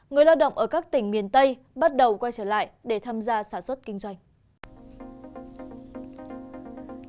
người lao động ở các tỉnh miền tây bắt đầu quay trở lại để tham gia sản xuất kinh doanh